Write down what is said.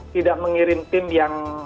tidak mengirim tim yang